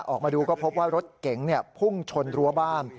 ออกมาดูก็พบว่ารถเก๋งพุ่งชนรั้วบ้าน